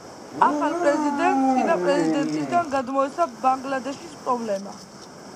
ახალ პრეზიდენტს წინა პრეზიდენტისაგან გადმოეცა ბანგლადეშის პრობლემა.